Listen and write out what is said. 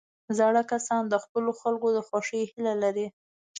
زاړه کسان د خپلو خلکو د خوښۍ هیله لري